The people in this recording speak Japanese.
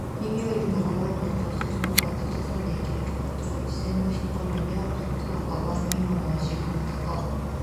弓を射るのがうまいこと。一つの行動で二つの利益を得ること。「一箭」は一本の矢、「双雕」は二羽の鷲。くまたか。